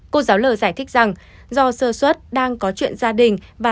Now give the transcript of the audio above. cô giáo lê giải thích rằng do sơ xuất đang có chuyện gia đình